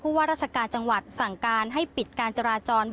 ว่าราชการจังหวัดสั่งการให้ปิดการจราจร